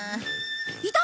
いた！